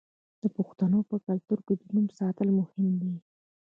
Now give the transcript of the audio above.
د پښتنو په کلتور کې د نوم ساتل مهم دي.